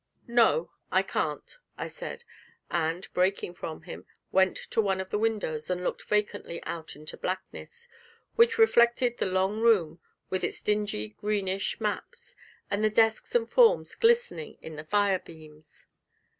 'No, I can't,' I said; and, breaking from him, went to one of the windows and looked vacantly out into blackness, which reflected the long room, with its dingy greenish maps, and the desks and forms glistening in the fire beams.